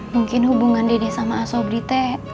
mungkin hubungan dede sama sobri te